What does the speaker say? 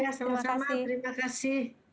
ya sama sama terima kasih